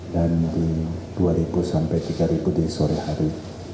dan di dua ribu sampai tiga ribu di sore hari